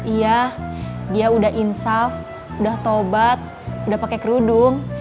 iya dia udah insaf udah tobat udah pake kerudung